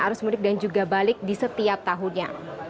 arus mudik dan juga balik di setiap tahunnya